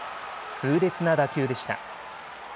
痛烈な打球でした。